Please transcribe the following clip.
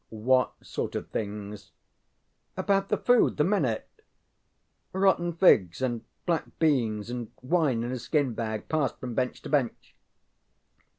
ŌĆØ ŌĆ£What sort of things? ŌĆØ ŌĆ£About the food the men ate; rotten figs and black beans and wine in a skin bag, passed from bench to bench.